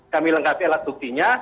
kami lengkapi alat duktinya